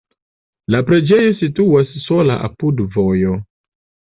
La preĝejo situas sola apud vojo.